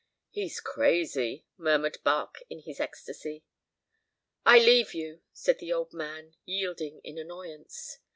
"He's crazy," murmured Barque in his ecstasy. "I leave you," said the old man, yielding in annoyance.